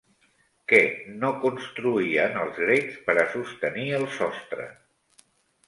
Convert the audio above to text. Què no construïen els grecs per a sostenir el sostre?